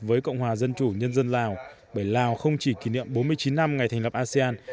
với cộng hòa dân chủ nhân dân lào bởi lào không chỉ kỷ niệm bốn mươi chín năm ngày thành lập asean